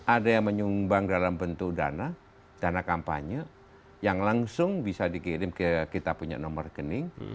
ada yang menyumbang dalam bentuk dana dana kampanye yang langsung bisa dikirim ke kita punya nomor rekening